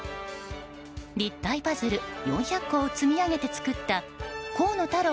立体パズル４００個を積み上げて作った河野太郎